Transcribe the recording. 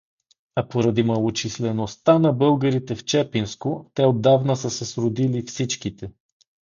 А поради малочислеността на българите в Чепинско, те отдавна са се сродили всичките.